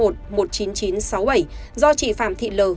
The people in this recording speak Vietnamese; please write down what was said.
do chị phạm thị lờ